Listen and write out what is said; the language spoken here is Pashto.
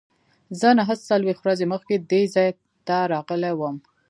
زه نهه څلوېښت ورځې مخکې دې ځای ته راغلی وم.